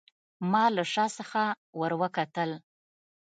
ما له شا څخه وروکتل.